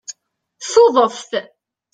Tuḍeft